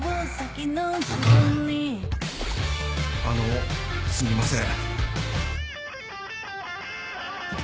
・あのすみません。